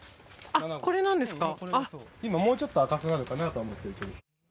今もうちょっと赤くなるかなと思ってる。